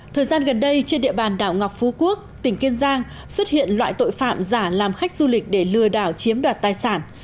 thời gian gần đây trên địa bàn đảo ngọc phú quốc tỉnh kiên giang xuất hiện loại tội phạm giả làm khách du lịch để lừa đảo chiếm đoạt tài sản